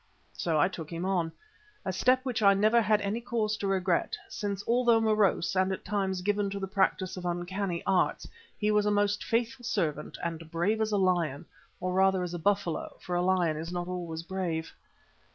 So I took him on, a step which I never had any cause to regret, since although morose and at times given to the practice of uncanny arts, he was a most faithful servant and brave as a lion, or rather as a buffalo, for a lion is not always brave.